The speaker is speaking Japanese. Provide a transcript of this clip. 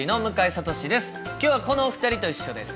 今日はこのお二人と一緒です。